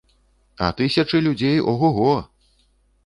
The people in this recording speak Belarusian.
А тысячы людзей о-го-го!